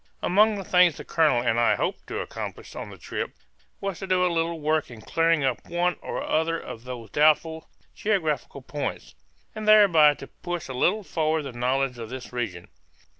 Among the things the colonel and I hoped to accomplish on the trip was to do a little work in clearing up one or the other of these two doubtful geographical points, and thereby to push a little forward the knowledge of this region.